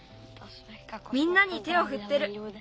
みんなに手をふってる。